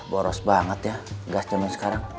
boros banget ya gas zaman sekarang